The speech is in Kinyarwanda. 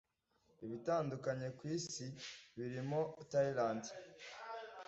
ibitandukanye ku isi, birimo Thailand,